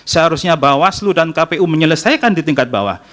seharusnya bawaslu dan kpu menyelesaikan di tingkat bawah